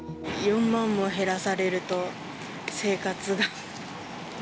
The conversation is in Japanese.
４万も減らされると、生活が。